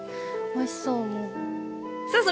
おいしそうもう。